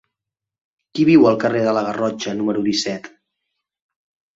Qui viu al carrer de la Garrotxa número disset?